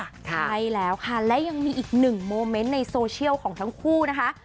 ใช่แล้วค่ะและยังมีอีกหนึ่งโมเมนต์ในโซเชียลของทั้งคู่นะคะ